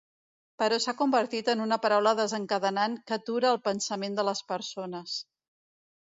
Però s'ha convertit en una paraula desencadenant que atura el pensament de les persones.